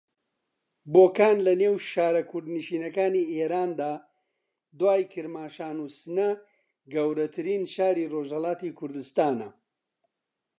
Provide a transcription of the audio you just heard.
بۆکان لە نێو شارە کوردنشینەکانی ئێراندا دوای کرماشان و سنە گەورەترین شاری ڕۆژھەڵاتی کوردستانە